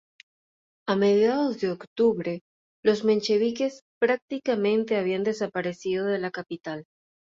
A mediados de octubre, los mencheviques prácticamente habían desaparecido de la capital.